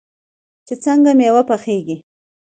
چې څنګه میوه پخیږي.